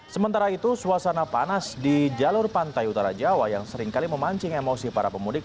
sementara itu suasana panas di jalur pantai utara jawa yang seringkali memancing emosi para pemudik